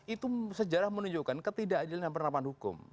itu sejarah menunjukkan ketidakadilan yang pernah panuh hukum